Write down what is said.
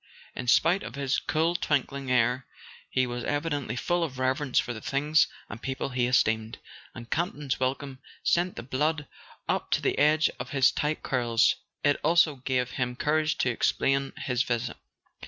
In spite of his cool twinkling air he was evidently full of reverence for the things and people he esteemed, and Campton's welcome sent the blood up to the edge of his tight curls. It also gave him courage to explain his visit.